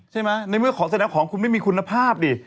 ใช่ไหมในเมื่อของแสดงของคุณไม่มีคุณภาพดิ